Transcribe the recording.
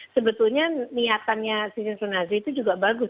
sebetulnya niatannya sistem zonasi itu juga bagus